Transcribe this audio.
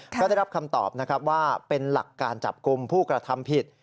ก็ได้รับคำตอบนะครับว่าเป็นหลักการจับกลุ่มผู้กระทำผิด